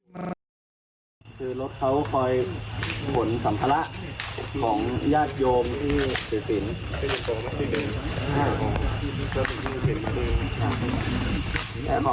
คือรถเขาคอยผลสัมภาระของญาติโยมที่สิสินแต่ขอ